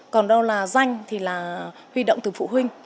còn đâu là danh thì là huy động từ phụ huynh